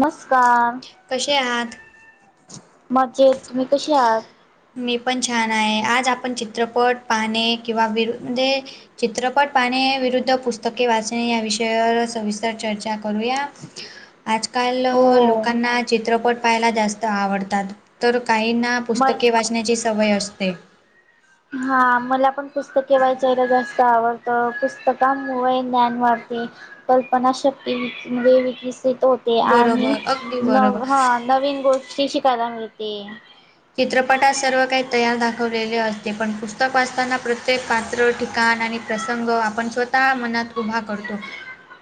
नमस्कार. कशे आहात? मज्जेत. तुम्ही कशा आहात? मी पण छान आहे. आज आपण चित्रपट पाहणे किंवा विर मध्ये- चित्रपट पाहणे विरुद्ध पुस्तके वाचणे या विषयावर सविस्तर चर्चा करूया. ह आजकाल हो लोकांना चित्रपट पाहायला जास्त आवडतात. तर काहींना- म पुस्तक वाचण्याची सवय असते. हा. मला पण पुस्तकेे वाचायला जास्त- [unintelligible] पुस्तकांमुळे ज्ञान वाढते. कल्पना शक्ती विकसित होते. आणि बरोबर, अगदी बरोबर. नव - नवीन गोष्टी शिकायला मिळते. चित्रपटात सर्व काही तयार दाखवलेले असते. पण पुस्तक वाचताना प्रत्येक पात्र, ठिकाण आणि- प्रसंग आपण स्वतः मनात उभा करतो.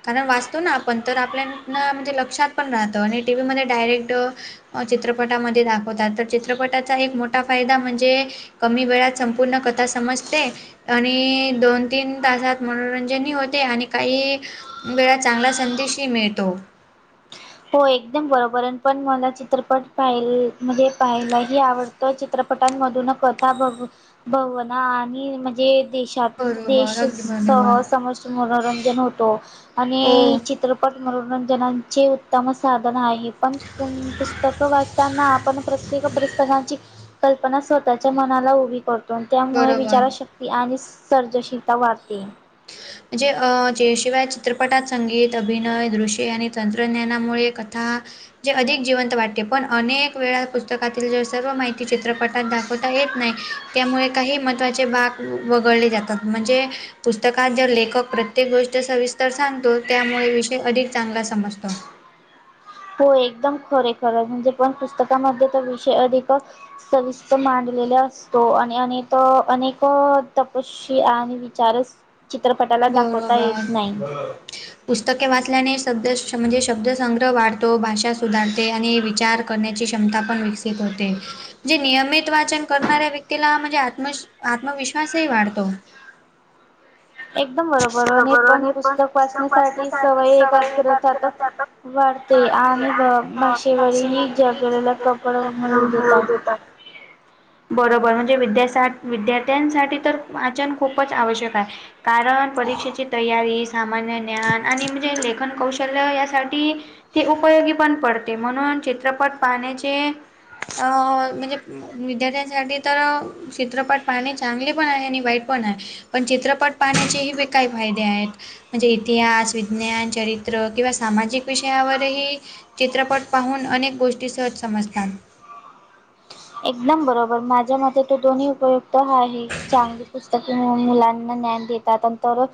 कारण वाचतो ना आपण तर आपल्याना म्हणजे लक्षात पण राहत. आणि टी व्हीमध्ये डायरेक्ट- चित्रपटामध्ये दाखवतात तर च- चित्रपटाचा एक मोठा फायदा म्हणजे कमी वेळात संपूर्ण कथा समजते- आणि दोन तीन तासात मनोरंजनही होते. आणि काही- वा चांगला संदेशही मिळतो. हो. एकदम बरोबर आहे. पण मला चित्रपट पाहिला म्हणजे पाहायलाही आवडतो. चित्रपट- टां मधून कथा बघून आणि म्हणजे- देश बरोबर, अगदी बरोबर. सह समज मनोरंजन होतो. हो, आणि चित्रप- मनोरंजनाचे उत्तम- साधन आहे. पण पुस्तक वाचताना आपण प्रत्येक पुस्तकांची- कल्पना स्वतःच्या मनाला उभी करतो. आणि त्यामुळे विचारा बरोबर. शक- आणि सर्जशीलता वाढते. म्हणजे, अ जे शिवाय चित्रपटात संगीत, अभिनय, दृश्य आणि तंत्रज्ञानामुळे कथा- म्हणजे अधिक जिवंत वाटते. पण अनेक वेळा पुस्तकातील जे सर्व माहिती चित्रपटात दाखवता येत नाही. त्यामुळे काही महत्त्वाचे भाग वगळले जातात. म्हणजे पुस्तक- कात जर लेखक प्रत्येक गोष्टी सविस्तर सांगतो. त्यामुळे विषय अधिक चांगला समजतो. हो. एकदम खरेय खरं. म्हणजे पण पुस्तकामध्ये तर विषय अधिक- सविस्तर मांडलेला असतो. आणि अनेक अनेक तप- आणि विचारच चित्रपटाला दाखवता येत बरोबर. नाही. पुस्तके वाचल्याने शब्द म्हणजे शब्दसंग्रह वाढतो. भाषा सुधारते. आणि विचार- करण्याची क्षमता पण विकसित होते. नि नियमित वाचन करणाऱ्या व्यक्तीला म्हणजे आत्म आत्मविश्वासही वाढतो. एकदम बरोबर ब आणि बर पण होत. पुस्तक वाचण्यासाठी तपासण्यासाठी सवय एकाग्रतात वाढते आणि भाषेवरही जगलेला कपड मिळू देतात [unintelligible] [inaudible] बरोबर. म्हणजे विद्यासा विद्यार्थ्यांसाठी तर वाचन खूपच आवश्यक आहे. कारण परीक्षेची तयारी सामान्य ज्ञान आणि म्हणजे लेखन कौशल्य यासाठी- ते उपयोगी पण पडते. म्हणून चित्रपट पाहण्याचे अं म्हणजे- विद्यार्थ्यांसाठी तर चित्रपट पाहणे चांगले पण आहे आणि वाईट पण आहे. पण चित्रपट पाहण्याचेही काही फायदे आहेत. म्हणजे इतिहास, विज्ञान, चरित्र किंवा सामाजिक विषयावरही- चित्रपट पाहून अनेक गोष्टी सहज समजतात. एकदम बरोबर. माझ्या मते तर दोन्ही उपयुक्त आहे. चांगली पुस्तके मुलांना ज्ञान देतात. नंतर-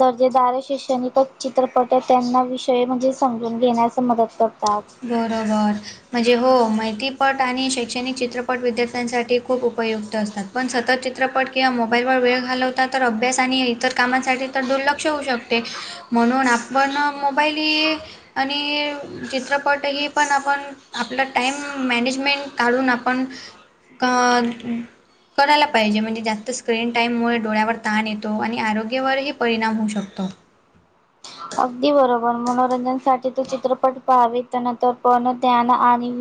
दर्जेदार शैक्षणिकच चित्रपट आहेत. त्यांना विषय म्हणजे समजून देण्यास मदत करतात. बरोबर. म्हणजे हो. माहितीपट आणि शैक्षणिक चित्रपट विद्यार्थ्यांसाठी खूप उपयुक्त असतात. पण सतत चित्रपट किंवा मोबाईलवर वेळ घालवता तर अभ्यास आणि इतर कामांसाठी तर दुर्लक्ष होऊ शकते. म्हणून आपण मोबाईल आणि चित्रप पटही पण आपण आपला टाइम मॅनेजमेंट काढून आपण का करायला पाहिजे म्हणजे जास्त स्क्रीन टाईममुळे डोळ्यावर ताण येतो आणि आरोग्यावरही परिणाम होऊ शकतो अगदी बरोबर मनोरंजनासाठी तो चित्रपट पाहावे त्यानंत पण ञान आणि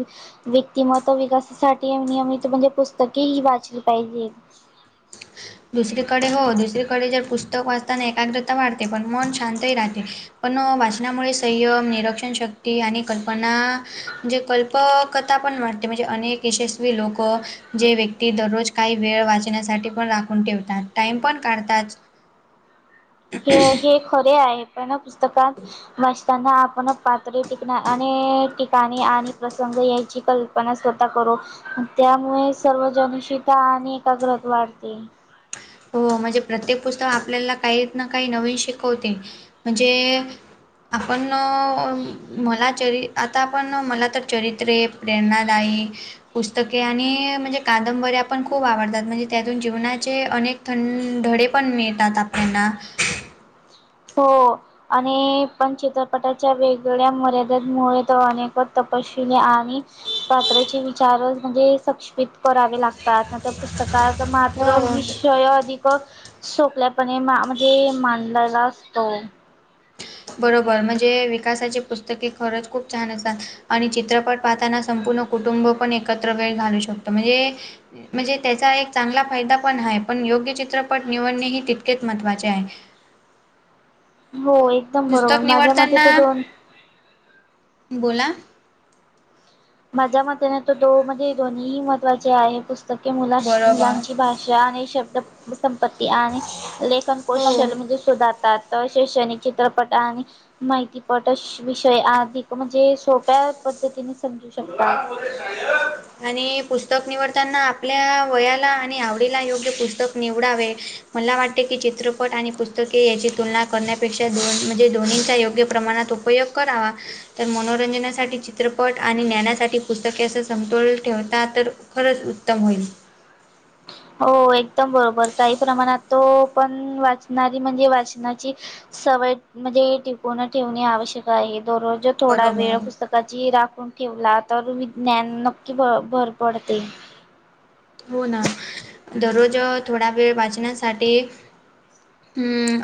व्यक्तिमत्व विकासासाठी नियमित म्हणजे पुस्तकेही वाचली पाहिजे दुसरीकडे हो दुसरीकडे जर पुस्तक वाचताना एकाग्रता वाढते पण मन शांतही राहते पण वाचनामुळे संयम निरक्षण शक्ती आणि कल्पना म्हणजे कल्प प कथा पण वाटते म्हणजे अनेक यशस्वी लोकं जे व्यक्ती दररोज काही वेळ वाचण्यासाठी पण रा ठेवतात टाइम पण काढतात हे हे खरे आहे पण पुस्तकात मस् त्यांना आपण पातळी टिकणा आणि ठिकाणी आणि प्रसंग यायची कल्पना स्वतः करू त्यामुळे सर्व जनशता आणि एकाग्रता वाढते हो म्हणजे प्रत्येक पुस्तक आपल्याला काही ना काही नवीन शिकवते म्हणजे आपण मला चर आता आपण मला तर चरित्रे प्रेरणादायी पुस्तके आणि म्हणजे कादंबऱ्या पण खूप आवडतात म्हणजे त्यातून जीवनाचे अनेक थं धळे पण मिळतात आपल्याना हो आणि पण चित्रपटाच्या वेगवेगळ्या मर्यादमुळे तो अनेक तपशले आणि पात्राचे विचार म्हणजे सक्षमित करावे लागतात ना तर पुस्तक तर मात्र हो विसय अधिक सोकल्यापणे म्हणजे मांडलेला असतो बरोबर म्हणजे विकासाची पुस्तके खरंच खूप छान असात आणि चित्रपट पाहताना संपूर्ण कुटुंब पण एकत्र वेळ घालू शकतो म्हणजे म्हणजे त्याचा एक चांगला फायदा पण आहे पण योग्य चित्रपट निवडणे ही तितकेच महत्वाचे आहे हो एकदम बरोबर पुस्तक माझ्या म तर निवडताना दोन बोला माझ्या मतेने तो दो म्हणजे दोन्ही महत्त्वाचे आहे पुस्तके मुला बरोबर मुलांची बाष आणि शब्द संपत्ती आणि लेखन हो कौशल म्हणजे सुोधारतात शैक्षणिक चित्रपट आणि माहितीपट विषय अधिक म्हणजे सोप्या पद्धतीने समजू शकता ह आणि पुस्तक निवडताना आपल्या वयाला आणि आवडीला योग्य पुस्तक निवडावे मला वाटते की चित्रपट आणि पुस्तके याची तुलना करण्यापेक्षा दोन म्हणजे दोन्हींच्या योग्य प्रमाणात उ उपयोग करावा तर मनोरंजनासाठी चित्रपट आणि आणि ज्ञनासाठी पुस्तकेचा समतोल ठेवता तर खरंच उत्तम होईल हो एकदम बरोबर काही प्रमाणात तो पण वाचणारी म्हणजे वाचनाची सवय म्हणजे टिकून ठेवणे आवश्यक आहे दररोज थोडा वेळ बरोबर पुस्तक राखून ठेवला तर विज्ञान नक्की भ भर पडते हो ना दररोज थोडा वेळ वाचण्यासाठी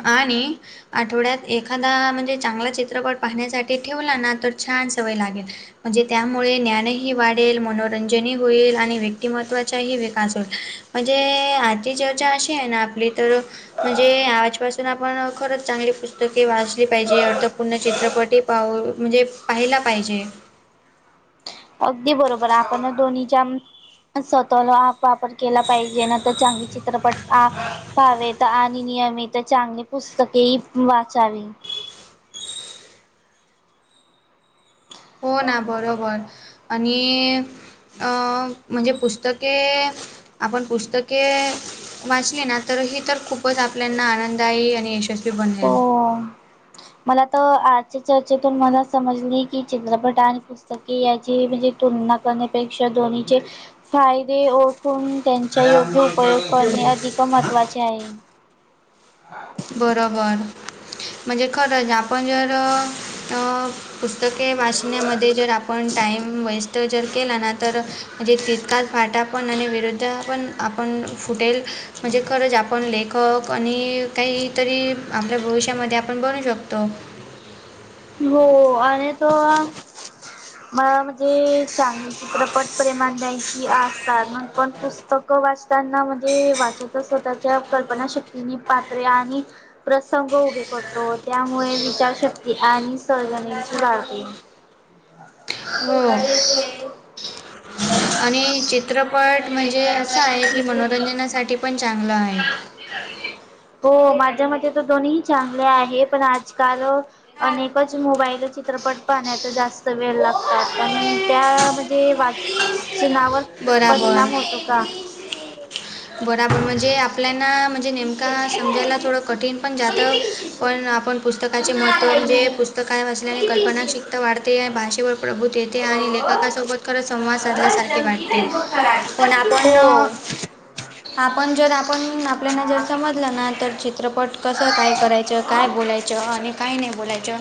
आणि आठवड्यात एखादा म्हणजे चांगला चित्रपट पाहण्यासाठी ठेवला ना तर छान सवय लागेल म्हणजे त्यामुळे ज्ञानही वाढेल मनोरंजनही होईल आणि व्यक्तिमत्वा विकास म्हणजे आधी जचा अशी आहे ना आपली तर म्हणजे आजपासून आपण खरंच चांगली पुस्तके वाचली पाहिजे अर्थपूर्ण चित्रपटी पाव म्हणजे पाहायला पाहिजे अगदी बरोबर आहे आपण दोन्हीच्या स्वतःला वापर केला पाहिजे ना तर चांगली चित्रपट आ पाहवेत आणि नियमित चांगली पुस्तकेही वाचावी. हो ना बरोबर आणि म्हणजे अ पुस्तके आपण पुस्तके वाचली ना तर ही तर खूपच आपल्याना आनंददायी आणि यशस्वी बनेल. हो मला तर आजच्या चर्चेतून मला समजली की चित्रपट आणि पुस्तके याची म्हणजे तुलना करण्यापेक्षा दोन्हीचे फायदे ओळखून त्यांचा योग्य उपयोग करणे अधिक महत्त्वाचे आहे. [inaudible] बरोबर म्हणजे खरंच आपण जर अ पुस्तके वाचण्यामध्ये जर आपण टाइम वेस्ट जर केला ना तर म्हणजे तितकाच फाटा पण आणि विरुद्ध पण आपण फुटेल म्हणजे खरच आपण लेखक आणि काहीतरी आपल्या भविष्यामध्ये आपण बनू शकतो. हो आणि तो [inaudible] मला म्हणजे चांगले चित्रपट प्रेमान द्यायची आसतात मग पण पुस्तक क वाचताना म्हणजे वाचा तर स्वतःच्या कल्पना शक्तीनी पात्रे आणि प्रसंग उभे करतो त्यामुळे विचारशक्ती आणि सर्जनेची गाळते हो [unintelligible] आणि चित्रपट म्हणजे असा आहे की मनोरंजनासाठी पण चागला आहे. हो माझ्या मते तर दोन्ही ही चांगले आहे पण आजकाल आनेकच मोबाईल चित्रपट पाहण्यात जास्त वेळ लागतात [inaudible] त्या म्हणजे सुनावर बराबर परिणाम होतो का? बराबर म्हणजे आपल्याना म्हणजे नेमका समजायला थोडं कठीण पण जात पण आपण पुस्तकाचे महत्त्व म्हणजे पुस्तका वाचल्याने कल्पना शिकता वाढते, भाषेवर प्रभूत ये ते आणि लेखकासोबत खरच संवाद साधल्यासारखे वाट ते पण आपण हो. आपण जर आपण आपल्याना जर समजलं ना तर चित्रपट कस काय करायचं? काय बोलायचं? आणि काय नाही बोलायचं?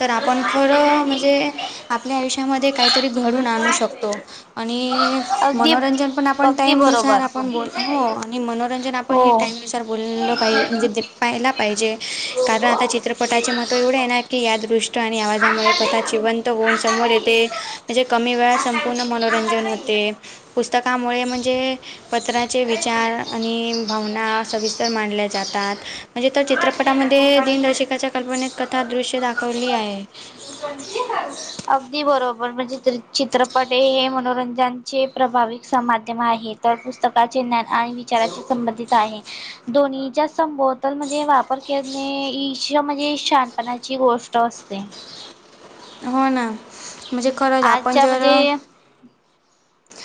तर आपण खरं म्हणजे आपल्या आयुष्यामध्ये काहीतरी घडून मस्त आणू वाटतंय शकतो. ना? आणि अगदी मनोरंजन पण आपण अगदी टाईम नुसार बरोबर. आपण बोल हो आणि मनोरंजन आपण हे हो. टाइम नुसार बोल पाय म्हणजे [unintelligible] पहिला पाहीजे कारण आता चित्रपटाचे महत्व एवढ आहे ना की या दृश ट आणि आवाजामुळे कथा आता जिवंत होऊन समोर येते म्हणजे कमी वेळा संपूर्ण आता मनोरंजन होते. पुस्तकामुळे म्हणजे पत्रा चे विचार आणि भावना सविस्तर माडल्या जातात म्हणजे तर चित्रपटामध्ये काय दिनदर्शि काच्या कल्पनेत कथा दृश्य दाखवली आहे. तू पणजी [unintelligible] अगदी बरोबर म्हणजे चित्रपट हे मनोरंजनचे प्रभाविक माध्यम आहेत. तर पुस्तकाचे ज्ञान आणि विचाराचे संबंधित आहे. दोन्हीच्या संबोतल म्हणजे वापर करणे ईश म्हणजे शां पणाची गोष्ट असते. हो ना म्हणजे खरंच आपण आजच्या जर म्हणजे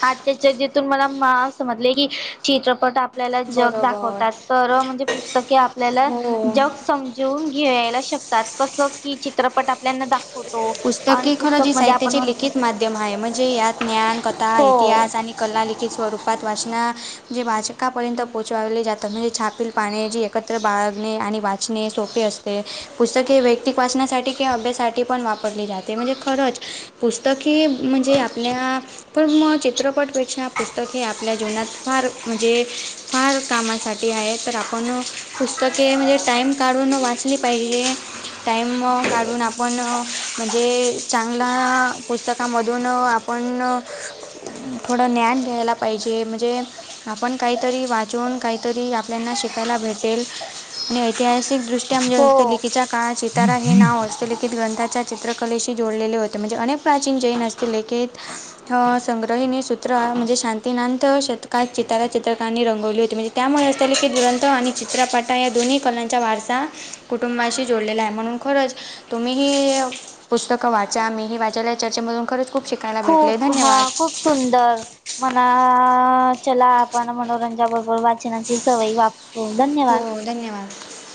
आजच्या चर्चेतून मला मा समजले की चित्रपट आप ल्याला जग बरोबर दाखवतात तर म्हणजे पुस्तके आपल्याला हो जग सम जून घ्यायला शकतात कस की चित्रपट आपल्याना दाखवतो आणि पुस्तकमध्ये आपण हिची लिखित माध्यम हाय म्हणजे यात ज्ञान, कथा, हो इतिहास, आणि कला लिखित स्वरूपात वाचना म्हणजे वाचकापर्यंत पोहचवली जातात म्हणजे छापिल पाण्याजी एकत्र बाळगणे आणि वाचणे सोपे असते पुस्तक हे वैयक्तिक वाचनासाठी ते अभ्यासाठी पण वापरली जाते म्हणजे खरंच पुस्तक हे म्हणजे आपल्या पण मग चित्रपटपेक्षा पुस्तक हे आपल्या जीवनात फार म्हणजे फार कामासाठी ते आहे तर आपण पुस्तके म्हणजे टाइम काढून वाचली पाहिजे टाइम काढून आपण म्हणजे चांगला पुस्तकामधून आपण थोडं ज्ञान घ्यायला पाहिजे म्हणजे आपण काहीतरी वाचून काहीतरी आपल्याना शिकायला भेटेल आणि ऐतिहासिक दृष्ट्या म्हणजे हो हस्तलिखितच्या काळात चितारा हे नाव हस्तलिखित ग्रंथात चित्रकलेशी जोडलेले होते म्हणजे अनेक प्राचीन जैन हस्तलिखित अ संग्रहिणी सूत्र म्हणजे शांतीनाथ शतकात चितारा चित्रकांनी रंगवली होती म्हणजे त्यामुळे असंले की दुरंत आणि चित्रपाटा या दोन्ही कलांचा वारसा कुटुंबाशी जोडलेला आहे म्हणून खरंच तुम्ही पुस्तक वाचा मीही वाचायला चर्चेमधून खरंच खूप शिकायला भेट खूप हा खूप सुंदर मणा चला आपण मनोरंजा बरोबर वा वाचनाची सवयी वाचतो हो धन्यवाद. धन्यवाद.